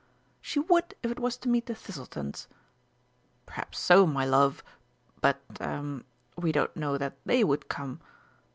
"She would if it was to meet the Thistletons." "Perhaps so, my love, but er we don't know that they would come."